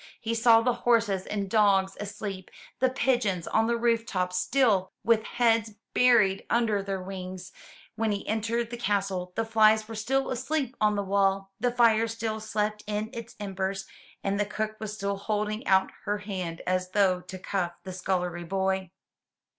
He saw the horses and dogs asleep, the pigeons on the rooftop still with heads buried under their wings. When he entered the castle, the flies were still asleep on the wall, the fire still slept in its embers, and the cook was still holding out her hand as though to cuff the scullery boy.